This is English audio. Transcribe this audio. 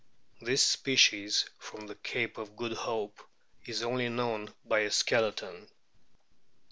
This species, from the Cape of Good Hope, is only known by a skeleton.